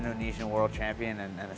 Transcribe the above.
dan dia menunjukkan kemampuan sebenarnya